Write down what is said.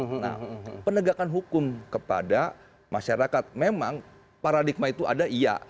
nah penegakan hukum kepada masyarakat memang paradigma itu ada iya